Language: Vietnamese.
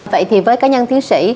vậy thì với cá nhân thiếu sĩ